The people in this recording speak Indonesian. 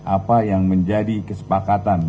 apa yang menjadi kesepakatan